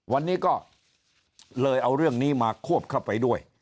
วันนี้ก็เลยเอาเรื่องนี้มาควบเข้าไปด้วย